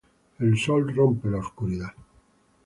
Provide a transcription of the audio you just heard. El sol rompe la oscuridad.